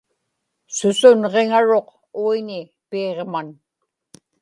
susunġiŋaruq uiñi piiġman